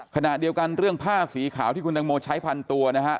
ขณะเดียวกันเรื่องผ้าสีขาวที่คุณตังโมใช้พันตัวนะฮะ